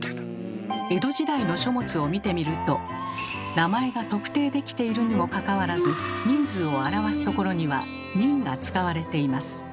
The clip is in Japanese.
江戸時代の書物を見てみると名前が特定できているにもかかわらず人数を表すところには「人」が使われています。